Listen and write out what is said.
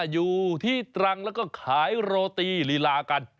อยู่ที่ตรังแล้วก็ขายโรตีลีลากัน